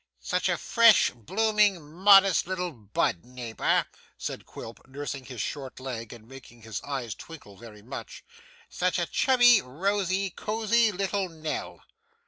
'Such a fresh, blooming, modest little bud, neighbour,' said Quilp, nursing his short leg, and making his eyes twinkle very much; 'such a chubby, rosy, cosy, little Nell!